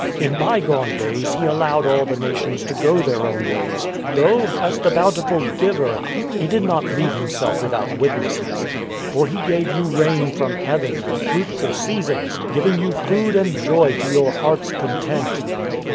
" In bygone days He allowed all the nations to go their own ways, though, as the bountiful Giver, He did not leave Himself without witnesses. For he gave you rain from heaven and fruitful seasons, giving you food and joy to your hearts' content."